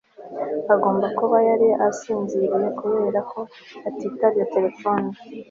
agomba kuba yari asinziriye kubera ko atitabye telefoni